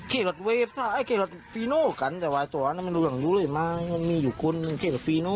แคล็ดเวฟแคล็ดฟีโนกันแต่ว่าตัวนั้นมันรู้อย่างนู้เลยมากมันมีอยู่คุณแคล็ดฟีโน